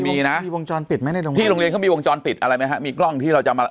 พี่โรงเรียนเข้ามีวงจรปิดอะไรไหมครับมีกล้องที่เราจะมา